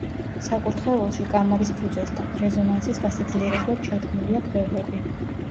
საკურთხეველში, კამარის ფუძესთან, რეზონანსის გასაძლიერებლად ჩადგმულია ქვევრები.